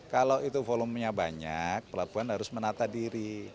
kalau itu volumenya banyak pelabuhan harus menata diri